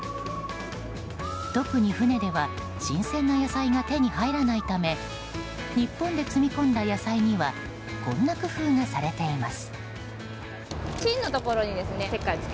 特に船では新鮮な野菜が手に入らないため日本で積み込んだ野菜にはこんな工夫がされています。